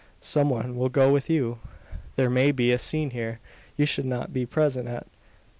Some one will go with you. There may be a scene here, you should not be present at.